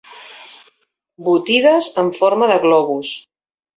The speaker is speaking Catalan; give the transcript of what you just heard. Botides en forma de globus.